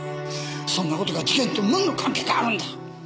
そんなことが事件と何の関係があるんだ！